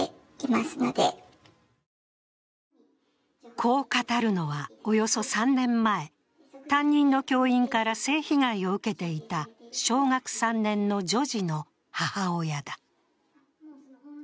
こう語るのは、およそ３年前、担任の教員から性被害を受けていた小学３年の女児の母親だ。